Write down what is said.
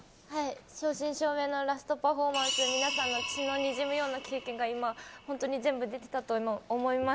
正真正銘のラストパフォーマンス、皆さんの血のにじむような経験が今、本当に全部できてたと思います。